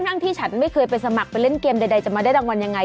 ที่ฉันไม่เคยไปสมัครไปเล่นเกมใดจะมาได้รางวัลยังไง